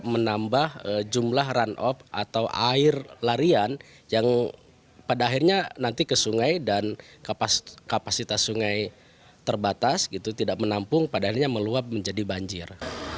menambah jumlah run off atau air larian yang pada akhirnya nanti ke sungai dan kapasitas sungai terbatas tidak menampung pada akhirnya meluap menjadi banjir